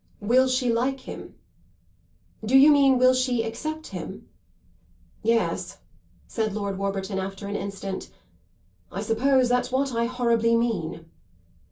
"Will she like him?" "Do you mean will she accept him?" "Yes," said Lord Warburton after an instant; "I suppose that's what I horribly mean."